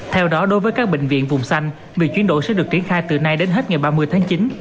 theo đó đối với các bệnh viện vùng xanh việc chuyển đổi sẽ được triển khai từ nay đến hết ngày ba mươi tháng chín